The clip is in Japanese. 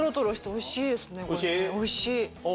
おいしい。